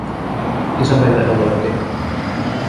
Isabelle aloitti: